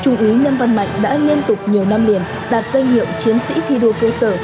trung úy nhân văn mạnh đã liên tục nhiều năm liền đạt danh hiệu chiến sĩ thi đua cơ sở